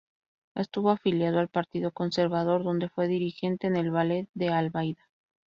Estuvo afiliado al Partido Conservador, donde fue dirigente en el Valle de Albaida.